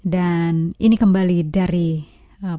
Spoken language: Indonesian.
dan ini kembali dari pelosak nusantara ya